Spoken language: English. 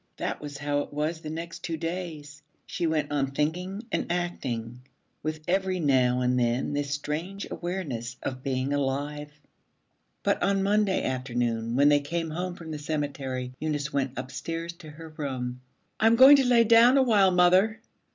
That was how it was the next two days: she went on thinking and acting, with every now and then this strange awareness of being alive. But on Monday afternoon when they came home from the cemetery, Eunice went upstairs to her room. 'I'm going to lie down a while, mother.'